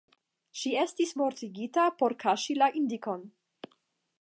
Ŝi estis mortigita por kaŝi la indikon.